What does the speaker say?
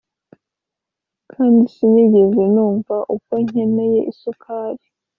kandi sinigeze mvuga uko nkeneye isukari